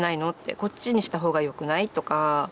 こっちにした方がよくない？とか。